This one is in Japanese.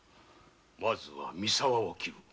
まずは三沢を斬る。